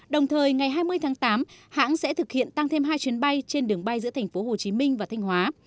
đồng thời ngày hai mươi tháng tám hãng sẽ thực hiện tăng thêm hai chuyến bay trên đường bay giữa thành phố hồ chí minh và thanh hóa